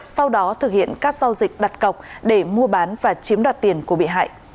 sau đó thực hiện các giao dịch đặt cọc để mua bán và chiếm đoạt tiền của bị hại